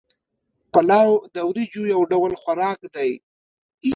پلاو د وریجو یو ډول خوراک دی